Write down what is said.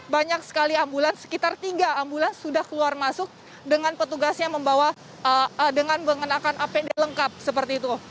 banyak sekali ambulans sekitar tiga ambulans sudah keluar masuk dengan petugasnya membawa dengan mengenakan apd lengkap seperti itu